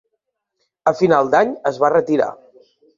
A final d'any es va retirar.